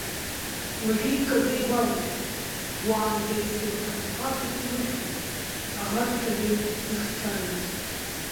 Уажәы иккаӡа игәалашәоит, уаанӡа ицламҳәа усҟак ишимыхьуаз, аӷаџҳәагьы дышцәажәоз.